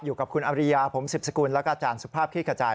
อยู่กับคุณอริยาผมสิบสกุลแล้วก็อาจารย์สุภาพคลี่ขจาย